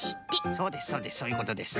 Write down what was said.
そうですそうですそういうことです。